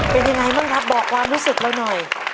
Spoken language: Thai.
เป็นอย่างไรมั่นคะบอกความรู้สึกเราหน่อย